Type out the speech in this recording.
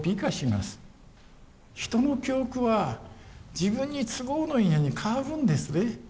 人の記憶は自分に都合のいいように変わるんですね。